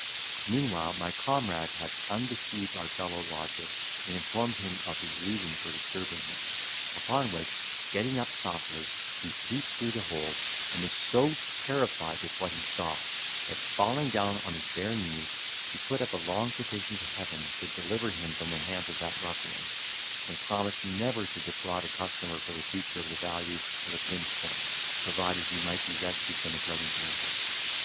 Meanwhile, my comrade had undeceived our fellow lodger, and informed him of his reason for disturbing him; upon which, getting up softly, he peeped through the hole, and was so terrified with what he saw, that, falling down on his bare knees, he put up a long petition to Heaven to deliver him from the hands of that ruffian, and promised never to defraud a customer for the future of the value of a pin's point, provided he might be rescued from the present danger.